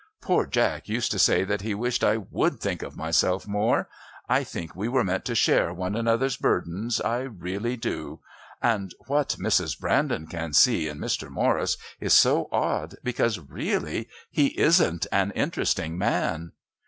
Poor Jack used to say that he wished I would think of myself more! I think we were meant to share one another's burdens. I really do. And what Mrs. Brandon can see in Mr. Morris is so odd, because really he isn't an interesting man."